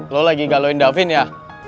lo lagi galuin davin ya